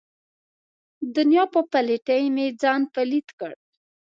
دنیا په پلیتۍ مې ځان پلیت کړ.